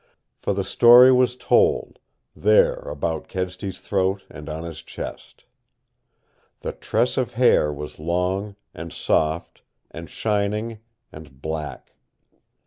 For the story was told there about Kedsty's throat and on his chest. The tress of hair was long and soft and shining and black.